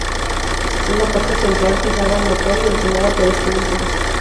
Una parte central, fijada al motor y entrenada por este último.